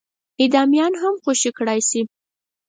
اعدامیان هم خوشي کړای شي.